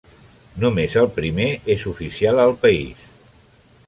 Només el primer és oficial al país.